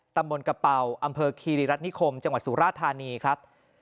ตำบลกระเป๋าอำเภอคีรีรัฐนิคมจังหวัดสุราธานีครับ